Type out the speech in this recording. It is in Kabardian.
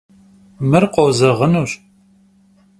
Mır khozeğınuş.